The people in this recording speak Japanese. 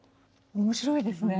面白いですね。